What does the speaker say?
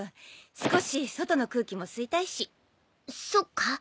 少し外の空気も吸いたいしそっか？